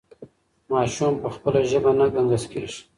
ماشوم په خپله ژبه نه ګنګس کېږي.